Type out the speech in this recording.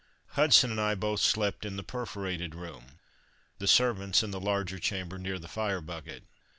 Hudson and I both slept in the perforated room; the servants in the larger chamber, near the fire bucket.